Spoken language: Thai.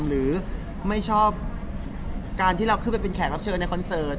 หรือไม่ชอบการที่เราขึ้นไปเป็นแขกรับเชิญในคอนเสิร์ต